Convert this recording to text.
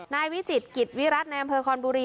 นายวิจิตกิตวิรัตน์แนมเภอคอนบุรี